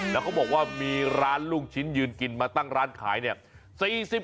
แล้วเขาบอกว่ามีร้านลูกชิ้นยืนกินมาตั้งร้านขายเนี่ย